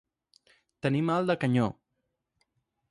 Tenir mal de canyó.